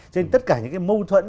cho nên tất cả những mâu thuẫn